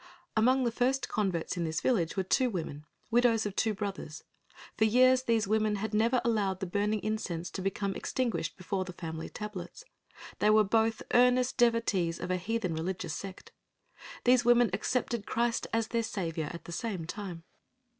Among the first converts in this village were two women, widows of two brothers. For years these women had never allowed the burning incense to become extinguished before the family tablets. They were both earnest devotees of a heathen religious sect. These women accepted Christ as their Saviour at the same time.